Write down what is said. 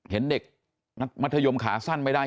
เห็นเด็กมัธยมขาสั้นไม่ได้